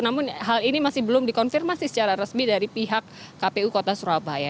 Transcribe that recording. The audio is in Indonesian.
namun hal ini masih belum dikonfirmasi secara resmi dari pihak kpu kota surabaya